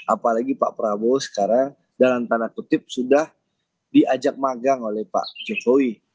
apalagi pak prabowo sekarang dalam tanda kutip sudah diajak magang oleh pak jokowi